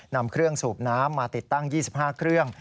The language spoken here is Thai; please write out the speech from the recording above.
นำเครื่องสูบน้ำมาติดตั้ง๒๕เครื่อง